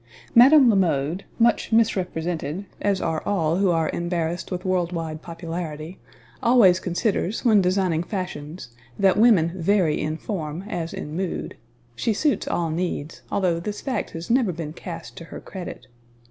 Mme. La Mode, much misrepresented as are all who are embarrassed with world wide popularity always considers when designing fashions that women vary in form, as in mood. She suits all needs, although this fact has never been cast to her credit.